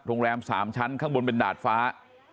โรงแรม๓ชั้นข้างบนเป็นดาดฟ้า